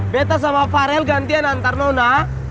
beta sama farel gantian antar nona